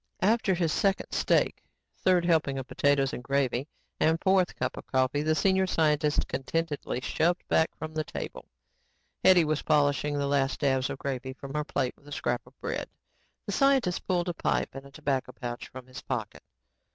After his second steak, third helping of potatoes and gravy and fourth cup of coffee, the senior scientist contentedly shoved back from the table. Hetty was polishing the last dabs of gravy from her plate with a scrap of bread. The scientist pulled a pipe and tobacco pouch from his pocket.